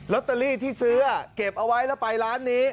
ตเตอรี่ที่ซื้อเก็บเอาไว้แล้วไปร้านนี้